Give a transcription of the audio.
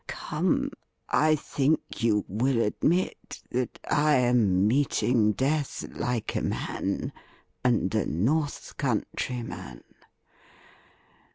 Come, I think you will admit that I am meeting death like a man, and a North Country man.